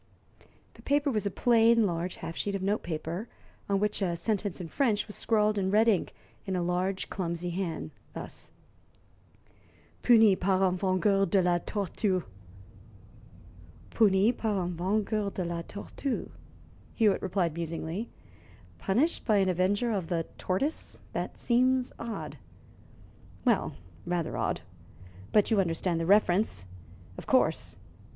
The paper was a plain, large half sheet of note paper, on which a sentence in French was scrawled in red ink in a large, clumsy hand, thus: puni par un vengeur de la tortue. "Puni par un vengeur de la tortue," Hewitt repeated musingly. "'Punished by an avenger of the tortoise,' That seems odd." "Well, rather odd. But you understand the reference, of course.